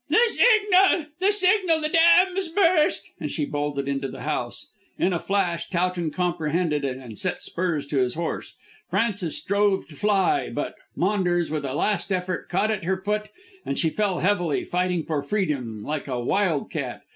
"The signal! The signal! The dam's burst!" and she bolted into the house. In a flash Towton comprehended and set spurs to his horse. Frances strove to fly, but Maunders with a last effort caught at her foot and she fell heavily, fighting for freedom like a wild cat.